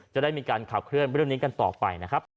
จะได้มีการขับเคลื่อนเรื่องนี้กันต่อไปนะครับ